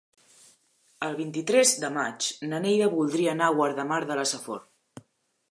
El vint-i-tres de maig na Neida voldria anar a Guardamar de la Safor.